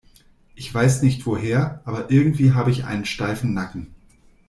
Ich weiß nicht woher, aber irgendwie habe ich einen steifen Nacken.